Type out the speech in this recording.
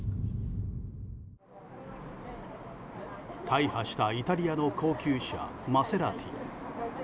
大破したイタリアの高級車マセラティ。